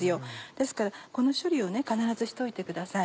ですからこの処理を必ずしといてください。